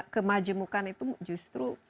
kemajemukan itu justru